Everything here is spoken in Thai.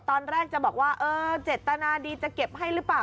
ตอนแรกจะบอกว่าเออเจตนาดีจะเก็บให้หรือเปล่า